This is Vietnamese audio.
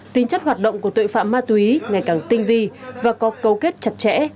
tính chất hoạt động của tội phạm ma túy ngày càng tinh vi và có câu kết chặt chẽ